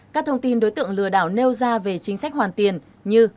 các thông tin đối tượng lừa đảo nêu ra về chính sách hoàn tiền như